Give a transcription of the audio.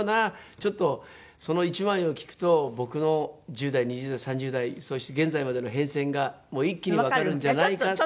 ちょっとその１枚を聴くと僕の１０代２０代３０代そして現在までの変遷が一気にわかるんじゃないかって。